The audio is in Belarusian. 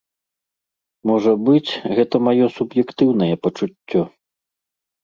Можа быць, гэта маё суб'ектыўнае пачуццё.